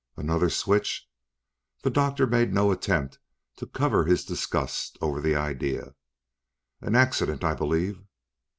"Another switch?" The doctor made no attempt to cover his disgust over the idea. "An accident, I believe."